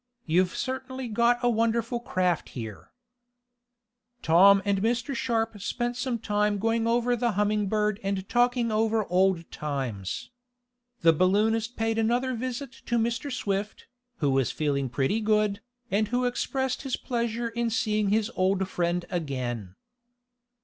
You've certainly got a wonderful craft here." Tom and Mr. Sharp spent some time going over the Humming Bird and in talking over old times. The balloonist paid another visit to Mr. Swift, who was feeling pretty good, and who expressed his pleasure in seeing his old friend again.